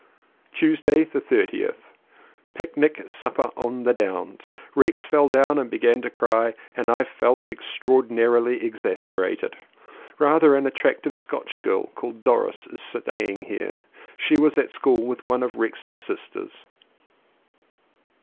Tuesday the 30th. Picnic supper on the Downs. Rex fell down and began to cry and I felt extraordi narily exasperated. Rather an attractive Scotch girl called Doris is staying here. She was at school with one of Rex's sisters.